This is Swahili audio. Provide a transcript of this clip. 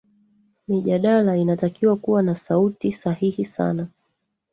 mijadala inatakiwa kuwa na sauti sahihi sana